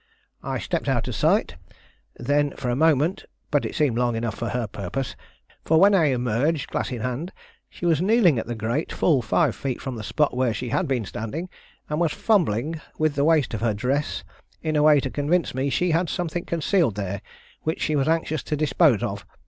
"I stepped out of sight, then, for a moment; but it seemed long enough for her purpose; for when I emerged, glass in hand, she was kneeling at the grate full five feet from the spot where she had been standing, and was fumbling with the waist of her dress in a way to convince me she had something concealed there which she was anxious to dispose of.